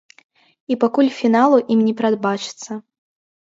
І пакуль фіналу ім не прадбачыцца.